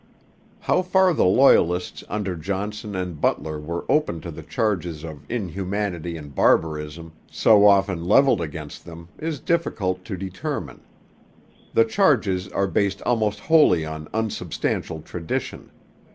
How far the Loyalists under Johnson and Butler were open to the charges of inhumanity and barbarism so often levelled against them, is difficult to determine. The charges are based almost wholly on unsubstantial tradition.